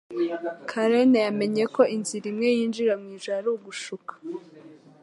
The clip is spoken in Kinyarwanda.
Karen yamenye ko inzira imwe yinjira mu ijuru ari ugushuka.